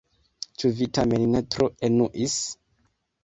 Ĉu vi tamen ne tro enuis?